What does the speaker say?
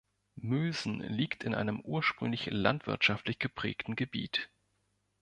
Mülsen liegt in einem ursprünglich landwirtschaftlich geprägten Gebiet.